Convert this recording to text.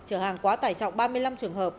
trở hàng quá tải trọng ba mươi năm trường hợp